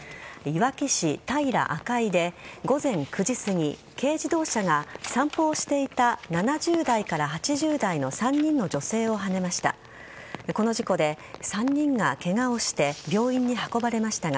いわき市平赤井で午前９時すぎ、軽自動車が散歩をしていた７０代から８０代の３人の女性をはねました。